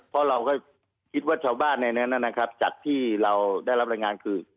เพราะเราก็คิดว่าชาวบ้านในนั้นนะครับจากที่เราได้รับรายงานคือ